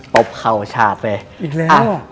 ปบเข่าชาติเลยอีกแล้ว